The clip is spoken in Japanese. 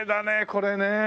これね。